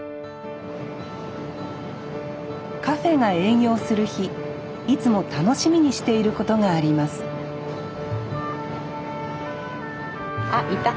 カフェが営業する日いつも楽しみにしていることがありますあいた！